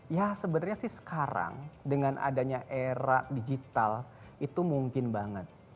ya sebenarnya sih sekarang dengan adanya era digital itu mungkin banget